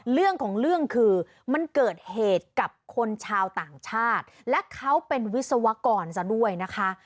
เรื่องของเรื่องคือมันเกิดเหตุกับคนชาวต่างชาติและเขาเป็นวิศวกรซะด้วยนะคะ